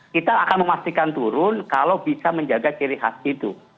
kita akan memastikan turun kalau bisa menjaga ciri khas itu